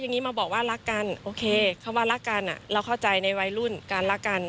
อย่างนี้มาบอกว่ารักกันโอเคคำว่ารักกันเราเข้าใจในวัยรุ่นการรักกัน